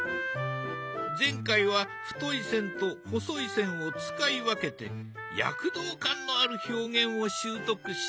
前回は太い線と細い線を使い分けて躍動感のある表現を習得した。